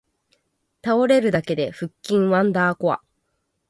倒れるだけで腹筋ワンダーコア